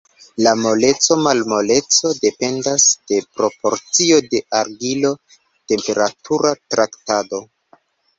La moleco-malmoleco dependas de proporcio de argilo, temperatura traktado.